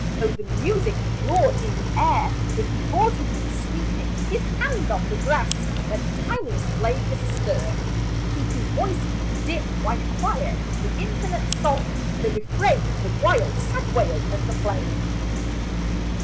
O the music abroad in the air, With the autumn wind sweeping His hand on the grass, where The tiniest blade is astir, keeping Voice in the dim, wide choir, Of the infinite song, the refrain, The wild, sad wail of the plain